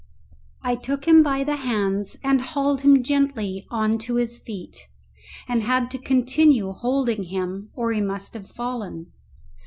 I took him by the hands and hauled him gently on to his feet, and had to continue holding him or he must have fallen.